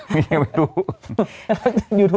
ไม่ได้เข้าไปดู